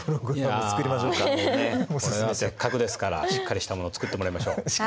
もうねこれはせっかくですからしっかりしたもの作ってもらいましょう。